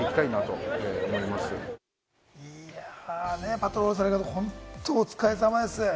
パトロールされる方、本当にお疲れさまです。